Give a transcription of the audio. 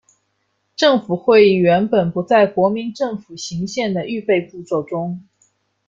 政协会议原本不在国民政府行宪的预备步骤中。